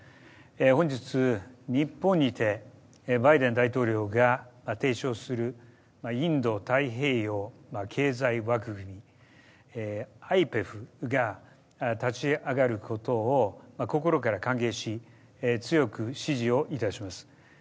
本日、日本にてバイデン大統領が提唱するインド太平洋経済枠組み＝ＩＰＥＦが立ち上がることを心から歓迎し、強く支持をいたします。